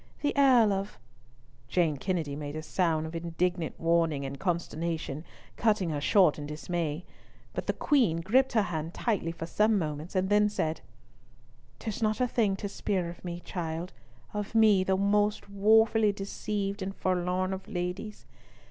The Earl of—" Jean Kennedy made a sound of indignant warning and consternation, cutting her short in dismay; but the Queen gripped her hand tightly for some moments, and then said: "'Tis not a thing to speir of me, child, of me, the most woefully deceived and forlorn of ladies.